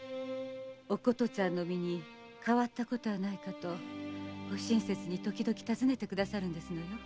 お琴ちゃんの身に変わったことはないかとご親切にときどき訪ねてくださるんですのよ。